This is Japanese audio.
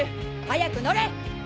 早く乗れ！